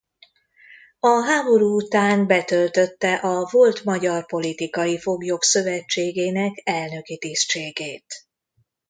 A háború után betöltötte a Volt Magyar Politikai Foglyok Szövetségének elnöki tisztségét.